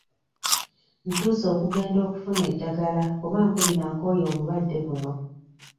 Ntuuse okugenda okufuna eddagala kuba mpulira nkooye obulwadde buno.